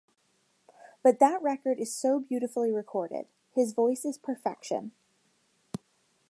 But that record is so beautifully recorded; his voice is perfection.